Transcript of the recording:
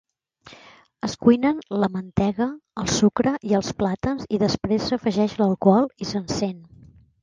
Es cuinen la mantega, el sucre i els plàtans i després s'afegeix l'alcohol i s'encén.